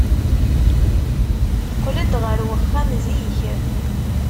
Qqel-d ɣer uxxam zik.